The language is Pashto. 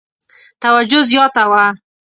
توجه زیاته وه.